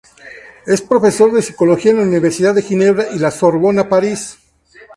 Es profesor de sociología en la Universidad de Ginebra y la Sorbona, París.